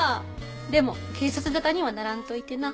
でも警察沙汰にはならんといてな。